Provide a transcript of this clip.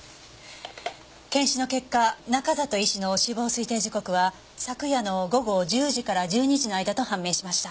検視の結果中里医師の死亡推定時刻は昨夜の午後１０時から１２時の間と判明しました。